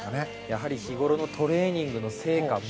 やはり日ごろのトレーニングの成果が。